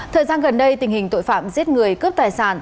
thời gian gần đây tình hình tội phạm giết người cướp tài sản